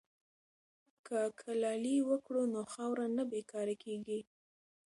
که کلالي وکړو نو خاوره نه بې کاره کیږي.